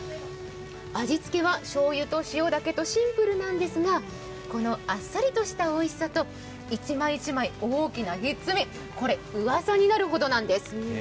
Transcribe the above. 味付けは、しょうゆと塩だけとシンプルなんですが、このあっさりとしたおいしさと１枚１枚大きなひっつみ、これ、うわさになるほどなんです。